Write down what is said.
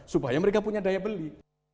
supaya mereka punya daya beli